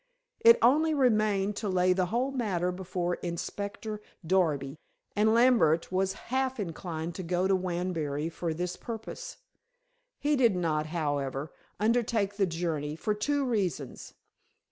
It only remained to lay the whole matter before Inspector Darby, and Lambert was half inclined to go to Wanbury for this purpose. He did not, however, undertake the journey, for two reasons.